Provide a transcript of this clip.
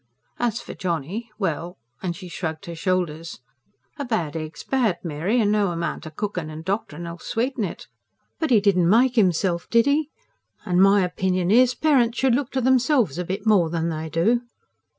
As for Johnny well ... and she shrugged her shoulders. "A bad egg's bad, Mary, and no amount o' cooking and doctoring 'll sweeten it. But he didn't make 'imself, did 'e? and my opinion is, parents should look to themselves a bit more than they do."